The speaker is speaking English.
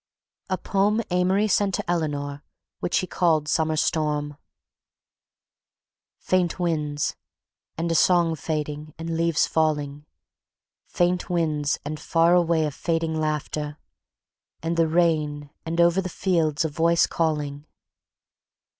A POEM AMORY SENT TO ELEANOR AND WHICH HE CALLED "SUMMER STORM" "Faint winds, and a song fading and leaves falling, Faint winds, and far away a fading laughter... And the rain and over the fields a voice calling...